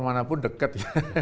mana pun deket